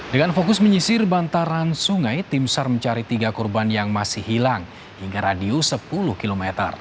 dengan fokus menyisir bantaran sungai timsar mencari tiga korban yang masih hilang hingga radius sepuluh km